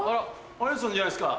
有吉さんじゃないっすか。